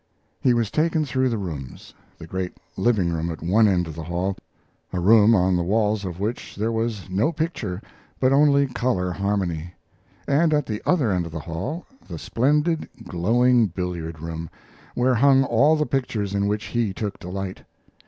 He was taken through the rooms; the great living room at one end of the hall a room on the walls of which there was no picture, but only color harmony and at the other end of the hall, the splendid, glowing billiard room, where hung all the pictures in which he took delight.